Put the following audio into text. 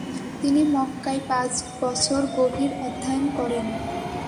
তিনি মক্কায় পাঁচ বছর গভীর অধ্যয়ন করেন।